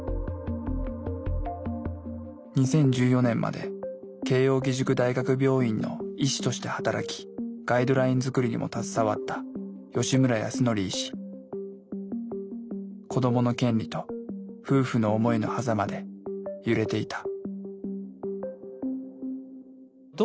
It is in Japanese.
２０１４年まで慶應義塾大学病院の医師として働きガイドライン作りにも携わった子どもの権利と夫婦の思いのはざまで揺れていた。